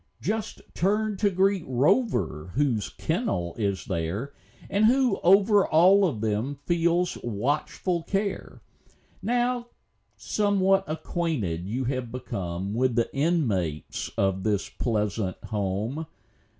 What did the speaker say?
Just turn to greet Rover, whose kennel is there And who over all of them feels watchful care. Now somewhat acquainted you have become With the inmates of this pleasant home.